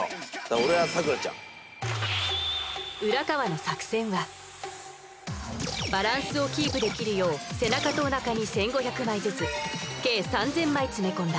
俺は咲楽ちゃんバランスをキープできるよう背中とおなかに１５００枚ずつ計３０００枚詰め込んだ